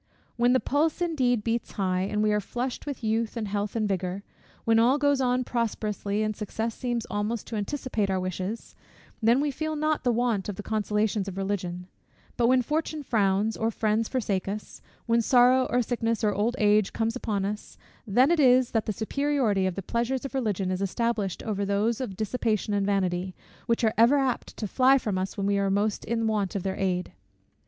When the pulse indeed beats high, and we are flushed with youth, and health, and vigour; when all goes on prosperously, and success seems almost to anticipate our wishes; then we feel not the want of the consolations of Religion: but when fortune frowns, or friends forsake us; when sorrow, or sickness, or old age, comes upon us, then it is, that the superiority of the pleasures of Religion is established over those of dissipation and vanity, which are ever apt to fly from us when we are most in want of their aid.